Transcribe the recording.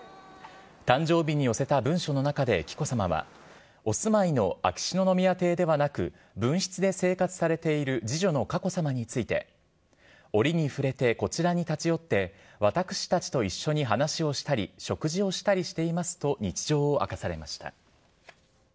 誕生日に寄せた文書の中で紀子さまは、お住まいの秋篠宮邸ではなく、分室で生活されている次女の佳子さまについて、折に触れてこちらに立ち寄って、私たちと一緒に話をしたり食事をしたりしていますと、日常を明かされました。